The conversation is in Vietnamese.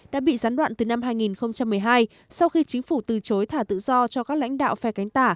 đã bị gián đoạn từ năm hai nghìn một mươi hai sau khi chính phủ từ chối thả tự do cho các lãnh đạo phe cánh tả